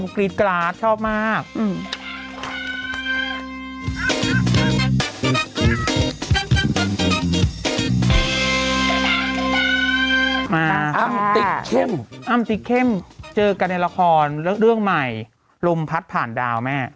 เพราะว่าเมื่อก่อนเคยสร้างประกดการณ์